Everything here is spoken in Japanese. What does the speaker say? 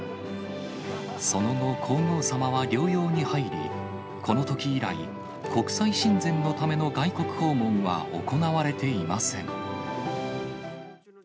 その後、皇后さまは療養に入り、このとき以来、国際親善のための外国訪問は行われていません。